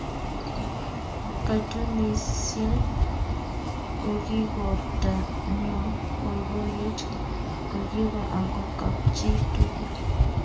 Katunisyet kokiigorta neo, boiboiyet kokiba ako kapchi tugul.